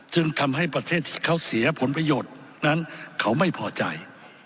จึงทำให้ประเทศที่เขาเสียผลประโยชน์นั้นเขาไม่พอใจ